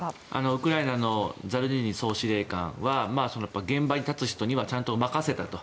ウクライナのザルジニー総司令官は現場に立つ人にはちゃんと任せたと。